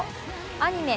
アニメ